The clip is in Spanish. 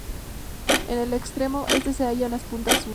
En el extremo este se halla la punta Ulloa.